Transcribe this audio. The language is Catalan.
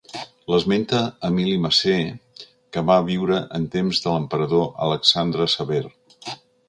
L'esmenta Emili Macer que va viure en temps de l'emperador Alexandre Sever.